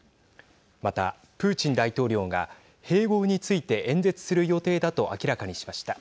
また、プーチン大統領が併合について演説する予定だと明らかにしました。